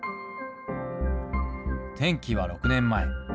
転機は６年前。